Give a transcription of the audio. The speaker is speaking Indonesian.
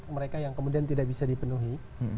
mereka yang kemudian tidak bisa dipenuhi